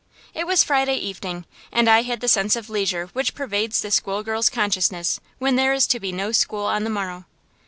It was Friday evening, and I had the sense of leisure which pervades the school girl's consciousness when there is to be no school on the morrow.